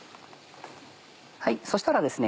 そしたらですね